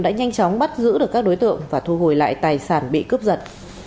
đã nhanh chóng bắt giữ được các đối tượng và thu hồi lại tài sản bị cướp giật